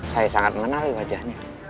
saya sangat mengenali wajahnya